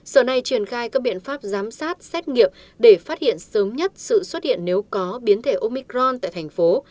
sở này triển khai các biện pháp giám sát xét nghiệm để phát hiện sớm nhất sự xuất hiện nếu có biến thể omicron tại thành phố